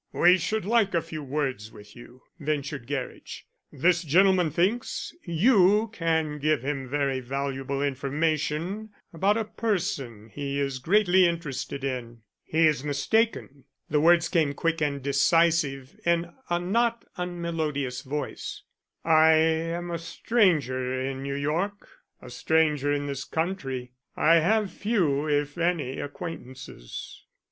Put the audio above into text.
"We should like a few words with you," ventured Gerridge. "This gentleman thinks you can give him very valuable information about a person he is greatly interested in." "He is mistaken." The words came quick and decisive in a not unmelodious voice. "I am a stranger in New York; a stranger in this country. I have few, if any, acquaintances."